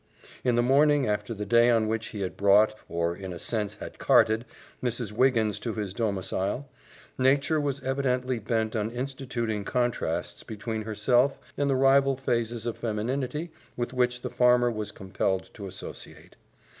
In the morning after the day on which he had brought, or in a sense had carted, Mrs. Wiggins to his domicile, Nature was evidently bent on instituting contrasts between herself and the rival phases of femininity with which the farmer was compelled to associate.